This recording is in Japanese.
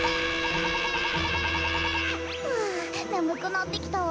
ふわねむくなってきたわ。